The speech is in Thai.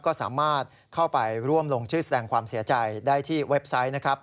ก็สามารถเข้าไปร่วมลงชื่อแสดงความเสียใจได้ที่เว็บไซต์นะครับ